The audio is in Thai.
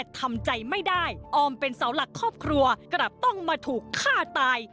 ทำใจไม่ได้ออมเป็นเสาหลักครอบครัวกลับต้องมาถูกฆ่าตาย